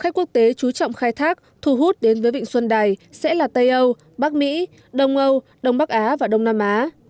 khách quốc tế chú trọng khai thác thu hút đến với vịnh xuân đài sẽ là tây âu bắc mỹ đông âu đông bắc á và đông nam á